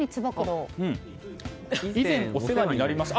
以前お世話になりました？